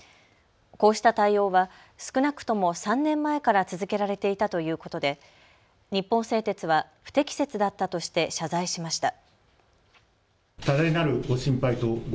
こうした対応は少なくとも３年前から続けられていたということで日本製鉄は不適切だったとして謝罪しました。